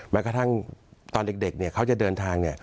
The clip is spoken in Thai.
แม้กระทั่งตอนเด็กเขาจะเดินทาง